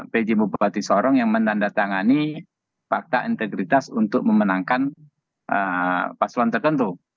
pj bupati sorong yang menandatangani fakta integritas untuk memenangkan paslon tertentu